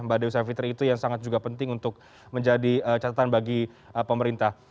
mbak dewi savitri itu yang sangat juga penting untuk menjadi catatan bagi pemerintah